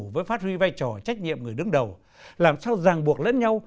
với phát huy vai trò trách nhiệm người đứng đầu